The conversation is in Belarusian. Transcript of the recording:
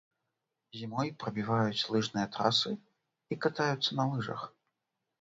Зімой прабіваюць лыжныя трасы і катаюцца на лыжах.